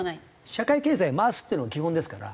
社会経済を回すっていうのが基本ですから。